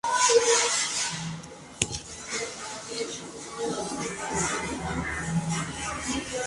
Es fanática declarada del fútbol soccer, su club favorito es el Monterrey.